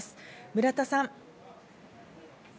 村田さん。